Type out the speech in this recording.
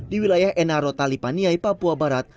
di wilayah enarotali paniai papua barat